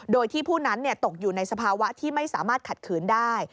โดยที่ผู้นั้นตกอยู่ในสภาวะที่ไม่สามารถขัดขืนได้